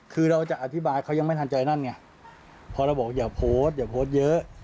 คือเราจะอธิบายเขายังไม่ทันใจนั่นไงพอเราบอกอย่าโพสต์อย่าโพสต์เยอะ